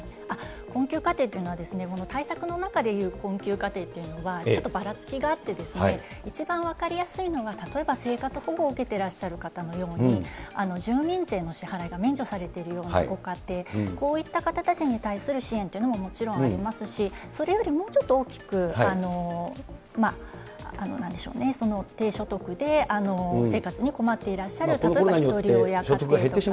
困窮家庭というのは、対策の中でいう困窮家庭というのは、ちょっとばらつきがあってですね、一番分かりやすいのは例えば生活保護を受けてらっしゃる方のように、住民税の支払いが免除されているようなご家庭、こういった方たちに対する支援というのももちろんありますし、それよりももうちょっと大きく、なんでしょうね、低所得で生活に困っていらっしゃる、例えばひとり親家庭とか。